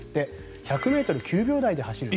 １００ｍ９秒台で走る。